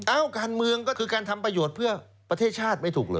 การเมืองก็คือการทำประโยชน์เพื่อประเทศชาติไม่ถูกเหรอ